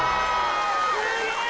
すげえ！